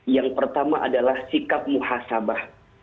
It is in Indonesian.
yang pertama adalah sikap muhasabah